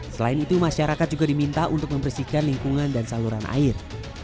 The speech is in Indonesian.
selain itu masyarakat juga diminta untuk membersihkan lingkungan dan saluran air